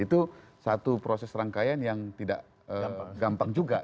itu satu proses rangkaian yang tidak gampang juga